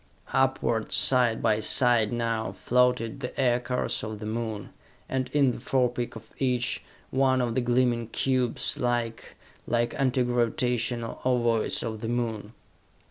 Upward, side by side now, floated the aircars of the Moon, and in the forepeak of each, one of the gleaming cubes, like like anti gravitational ovoids of the Moon!